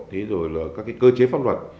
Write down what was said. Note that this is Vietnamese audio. thế rồi là các cơ chế pháp luật